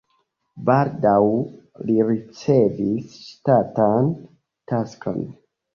Baldaŭ li ricevis ŝtatan taskon.